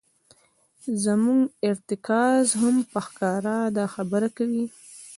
زموږ ارتکاز هم په ښکاره دا خبره کوي.